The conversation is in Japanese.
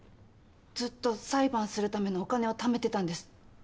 ずっと裁判するためのお金をためてたんです。